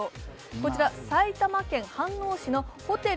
こちら埼玉県飯能市のホテル